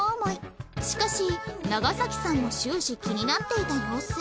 しかし長さんも終始気になっていた様子